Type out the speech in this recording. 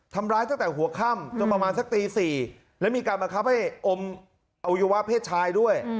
ทำร้ายตั้งแต่หัวค่ำจนประมาณสักตี๔แล้วมีการบังคับให้อมอวัยวะเพศชายด้วย